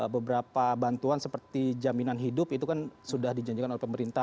beberapa bantuan seperti jaminan hidup itu kan sudah dijanjikan oleh pemerintah